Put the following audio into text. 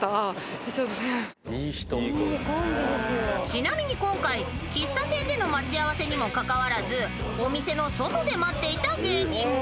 ［ちなみに今回喫茶店での待ち合わせにもかかわらずお店の外で待っていた芸人も］